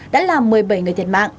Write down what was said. đã làm một mươi bảy người thiệt mạng